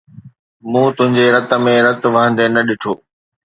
مون تنهنجي رت ۾ رت وهندي نه ڏٺو